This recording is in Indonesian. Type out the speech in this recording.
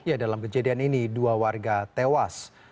ya dalam kejadian ini dua warga tewas